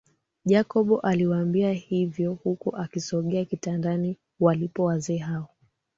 Jacob aliwaambia hivyo huku akisogea kitandani walipo wazee hao